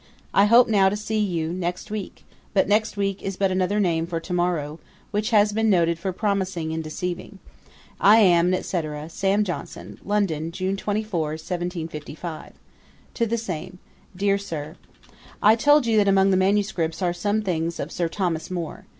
I hope now to see you next week; but next week is but another name for to morrow, which has been noted for promising and deceiving. 'I am, &c. 'SAM. JOHNSON.' '[London,] June 24, 1755.' To THE SAME. 'DEAR SIR, 'I told you, that among the manuscripts are some things of Sir Thomas More.